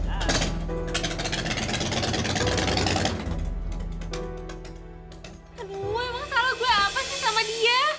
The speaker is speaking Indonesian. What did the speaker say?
kedua emang salah gue apa sih sama dia